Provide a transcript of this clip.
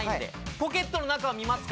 ポケットの中は見ますか？